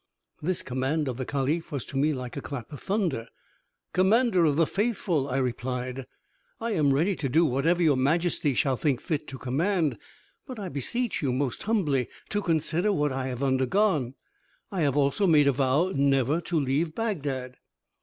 This command of the caliph was to me like a clap of thunder. "Commander of the Faithful," I replied, "I am ready to do whatever your majesty shall think fit to command; but I beseech you most humbly to consider what I have undergone. I have also made a vow never to leave Bagdad."